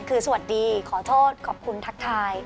คือสวัสดีขอโทษขอบคุณทักทาย